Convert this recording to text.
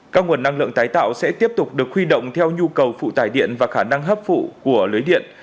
các nguồn năng lượng tái tạo sẽ tiếp tục được khuy động theo nhu cầu phụ tải điện và khả năng hấp phụ của lưới điện